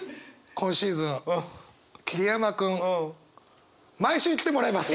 今シーズン桐山君毎週来てもらいます。